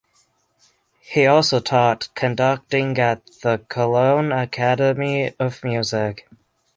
He also taught conducting at the Cologne Academy of Music.